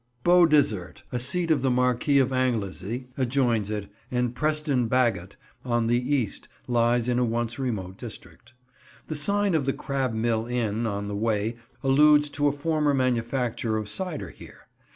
Beaudesert, a seat of the Marquis of Anglesey, adjoins it, and Preston Bagot, on the east, lies in a once remote district. The sign of the "Crab Mill" inn, on the way, alludes to a former manufacture of cider here.